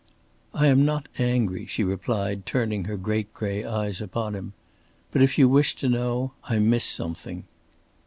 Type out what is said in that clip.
"I am not angry," she replied, turning her great gray eyes upon him. "But if you wish to know, I miss something."